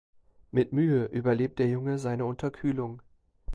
Mit Mühe überlebt der Junge seine Unterkühlung.